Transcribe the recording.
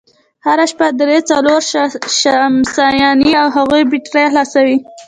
هره شپه درې، څلور شمسيانې او د هغوی بېټرۍ خلاصوي،